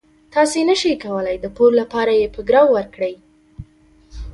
تاسو نشئ کولای د پور لپاره یې په ګرو ورکړئ.